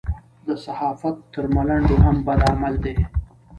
د صحافت تر ملنډو هم بد عمل دی.